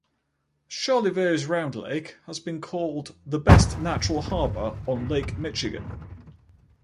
Charlevoix's Round Lake has been called the best natural harbor on Lake Michigan.